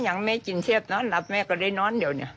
อย่างแม่กินเสียบนอนหลับแม่ก็เลยนอนเดี๋ยว